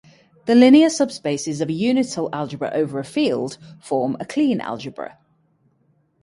The linear subspaces of a unital algebra over a field form a Kleene algebra.